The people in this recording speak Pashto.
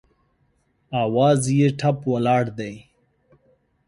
اواز یې ټپ ولاړ دی